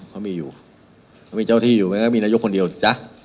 เขามีอยู่เขามีเจ้าที่อยู่มีนายุคคนเดียวจ๊ะ